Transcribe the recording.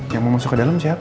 yang mau masuk ke dalam siapa